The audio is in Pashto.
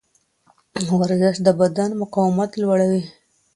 ورزش د بدن مقاومت لوړوي.